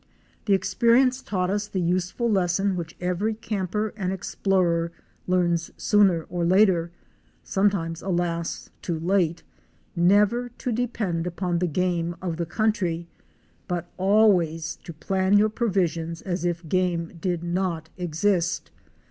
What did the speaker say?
The experience taught us the useful lesson which every camper and explorer learns sooner or later, sometimes alas! 'oo late — never to depend upon the game of the country, but always to plan your provisions as if game did not exist.